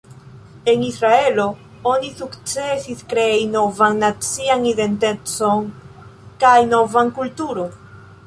En Israelo oni sukcesis krei novan nacian identecon kaj novan kulturon.